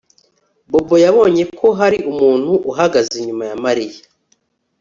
Bobo yabonye ko hari umuntu uhagaze inyuma ya Mariya